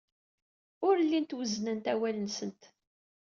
Ur llint wezznent awal-nsent.